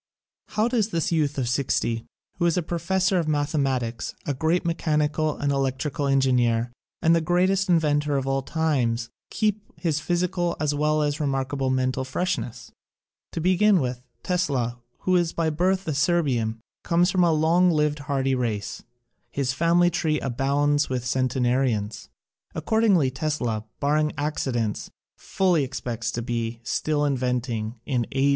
How does this youth of sixty, who is a pro fessor of mathematics, a great mechanical and electrical engineer and the greatest in ventor of all times, keep his physical as well as remarkable mental freshness? To begin with, Tesla, who is by birth a Serbian, comes from a long lived hardy race. His family tree abounds with centenarians. Accordingly, Tesla — barring accidents— fully expects to be still inventing in A.